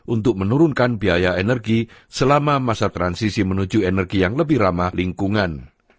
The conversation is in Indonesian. untuk menurunkan biaya energi selama masa transisi menuju energi yang lebih ramah lingkungan